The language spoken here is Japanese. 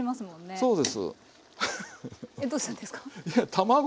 そうです。